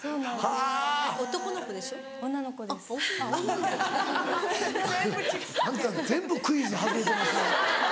あなた全部クイズ外れてますね。